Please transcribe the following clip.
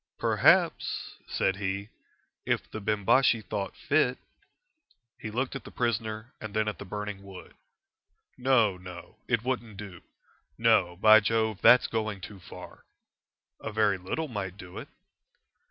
"Perhaps," said he, "if the Bimbashi thought fit " He looked at the prisoner and then at the burning wood. "No, no; it wouldn't do. No, by Jove, that's going too far." "A very little might do it."